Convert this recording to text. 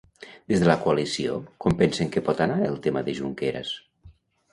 Des de la coalició com pensen que pot anar el tema de Junqueras?